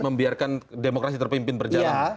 membiarkan demokrasi terpimpin berjalan